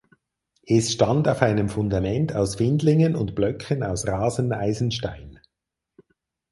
Es stand auf einem Fundament aus Findlingen und Blöcken aus Raseneisenstein.